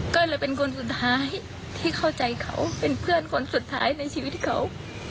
ก็เลยเป็นคนสุดท้ายที่เข้าใจเขาเป็นเพื่อนคนสุดท้ายในชีวิตเขา